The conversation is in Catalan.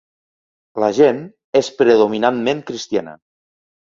La gent és predominantment cristiana.